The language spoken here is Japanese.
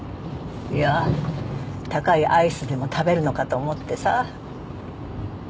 いや高いアイスでも食べるのかと思ってさ